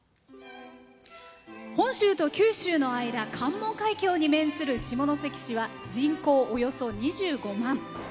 本州と九州の間関門海峡に面する下関市は人口およそ２５万。